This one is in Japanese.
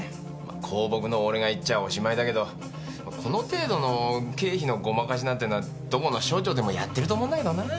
公僕の俺が言っちゃおしまいだけどこの程度の経費のごまかしなんてのはどこの省庁でもやってると思うんだけどなぁ。